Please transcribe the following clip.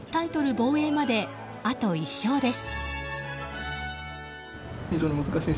防衛まで、あと１勝です。